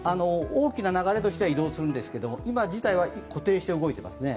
大きな流れとしては移動するんですけれども、今事態は固定していますね。